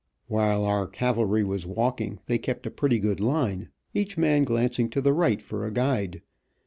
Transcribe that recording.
While our cavalry was walking, they kept a pretty good line, each man glancing to the right for a guide.